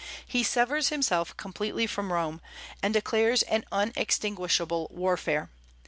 He severs himself completely from Rome, and declares an unextinguishable warfare.